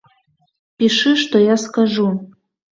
Пішы, што я скажу!